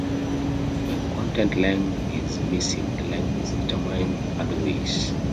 When "Content-Length" is missing the length is determined in other ways.